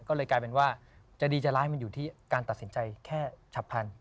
ก็เลยกลายเป็นว่าจะดีจะร้ายมันอยู่ที่การตัดสินใจแค่ฉับพัน